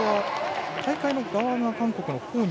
大会の側が韓国のほうに。